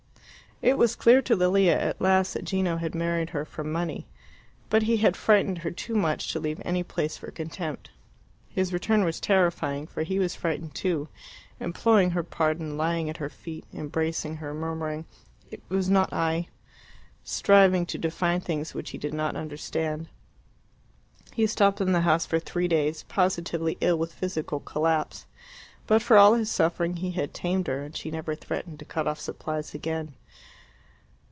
It was clear to Lilia at last that Gino had married her for money. But he had frightened her too much to leave any place for contempt. His return was terrifying, for he was frightened too, imploring her pardon, lying at her feet, embracing her, murmuring "It was not I," striving to define things which he did not understand. He stopped in the house for three days, positively ill with physical collapse. But for all his suffering he had tamed her, and she never threatened to cut off supplies again.